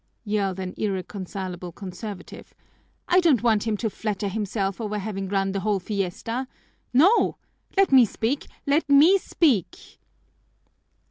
yelled an irreconcilable conservative. "I don't want him to flatter himself over having run the whole fiesta, no! Let me speak! Let me speak!"